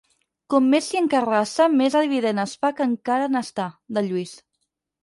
Com més s'hi escarrassa més evident es fa que encara n'està, del Lluís.